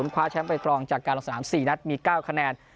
คว้าแชมป์ไปครองจากการลงสนาม๔นัดมี๙คะแนน